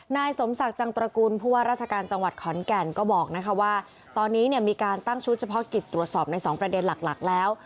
นายสมศักดิ์จังตระกูลผู้ว่าราชการจังหวัดขอนแก่นก็บอกว่าตอนนี้เนี่ยมีการตั้งชุดเฉพาะกิจตรวจสอบในสองประเด็นหลักแล้ว